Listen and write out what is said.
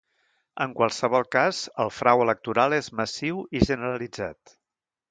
En qualsevol cas el frau electoral és massiu i generalitzat.